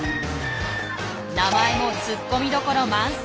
名前もツッコミどころ満載。